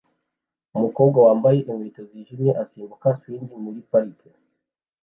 umukobwa wambaye inkweto zijimye asimbuka swing muri parike